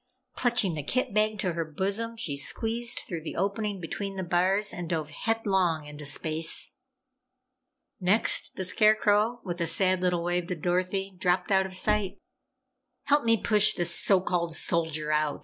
Clutching the kit bag to her bosom, she squeezed through the opening between the bars and dove headlong into space! Next, the Scarecrow, with a sad little wave to Dorothy, dropped out of sight. "Help me push this so called Soldier out!"